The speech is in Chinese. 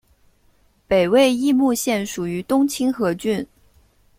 北魏绎幕县属于东清河郡。